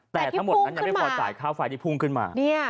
แต่ทั้งหมดนั้นยังไม่พอจ่ายค่าไฟที่พุ่งขึ้นมา